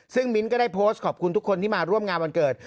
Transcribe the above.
ซึ่งมิ้นท์ก็ได้โพสต์ขอบคุณทุกคนที่มาร่วมงานวันเกิด